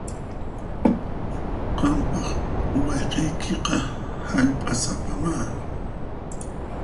Qampaq wayqiykiqa hallp'asapamá.